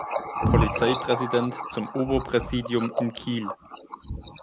Polizeipräsident zum Oberpräsidium in Kiel.